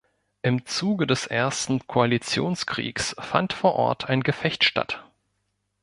Im Zuge des Ersten Koalitionskriegs fand vor Ort ein Gefecht statt.